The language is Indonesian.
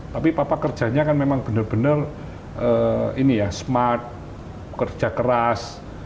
tapi papa kerjanya kan memang benar benar ini ya smart kerja keras